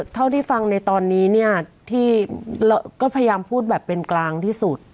เท่าที่ฟังในตอนนี้เนี่ยที่เราก็พยายามพูดแบบเป็นกลางที่สุด